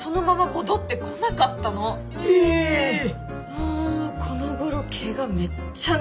もうこのごろ毛がめっちゃ抜けて。